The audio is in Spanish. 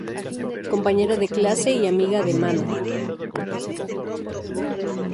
Compañera de clase y amiga de Mana.